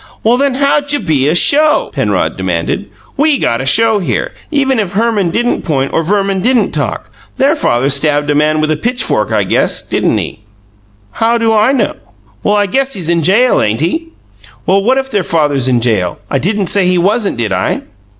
"Well, then, how'd you BE a show?" Penrod demanded. "WE got a show here, even if Herman didn't point or Verman didn't talk. Their father stabbed a man with a pitchfork, I guess, didn't he?" "How do I know?" "Well, I guess he's in jail, ain't he?" "Well, what if their father is in jail? I didn't say he wasn't, did I?"